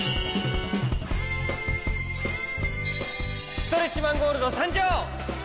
ストレッチマン・ゴールドさんじょう！